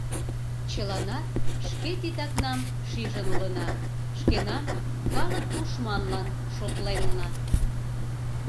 Чыланат шке титакнам шижын улына, шкенам «калык тушманлан» шотленна.